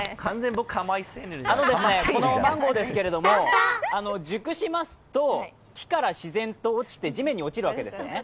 このマンゴーですけれど熟しますと木から自然と地面に落ちるわけですね。